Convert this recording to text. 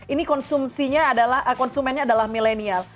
ini konsumennya adalah millennial